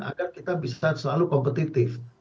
agar kita bisa selalu kompetitif